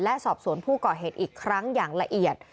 และสอบสวนผู้ก่อเหตุอีกครั้งอย่างละเอียด